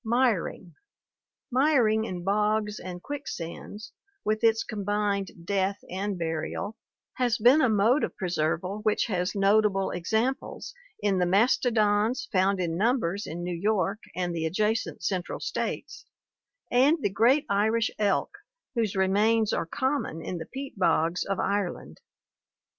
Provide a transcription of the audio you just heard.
Miring* — Miring in bogs and quicksands, with its combined death and burial, has been a mode of preserval which has notable examples inthe mastodons found in numbers in New York and the adjacent central states, and the great Irish elk whose remains are common in the peat bogs of Ireland.